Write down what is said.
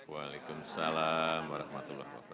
waalaikumsalam warahmatullahi wabarakatuh